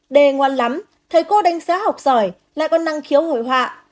đê ngoan lắm thấy cô đánh giá học giỏi lại còn năng khiếu hồi họa